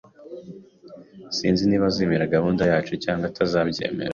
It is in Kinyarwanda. Sinzi niba azemera gahunda yacu cyangwa atabyemera